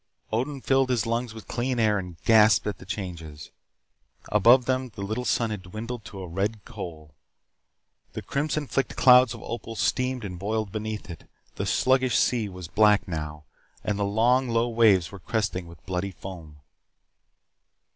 Odin filled his lungs with clear air and gasped at the changes. Above them the little sun had dwindled to a red coal. The crimson flecked clouds of Opal steamed and boiled beneath it. The sluggish sea was black now, and the long low waves were crested with bloody foam.